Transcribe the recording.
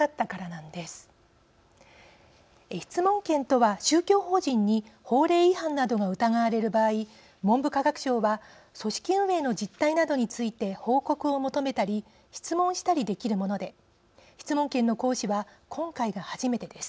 質問権とは宗教法人に法令違反などが疑われる場合文部科学省は組織運営の実態などについて報告を求めたり質問したりできるもので質問権の行使は今回が初めてです。